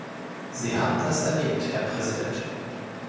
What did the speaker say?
Sie haben das erwähnt, Herr Präsident.